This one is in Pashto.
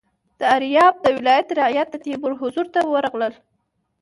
د ایریاب د ولایت رعیت د تیمور حضور ته ورغلل.